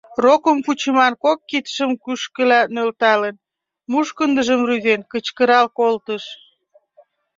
Рокым кучыман кок кидшым кӱшкыла нӧлталын, мушкындыжым рӱзен, кычкырал колтыш: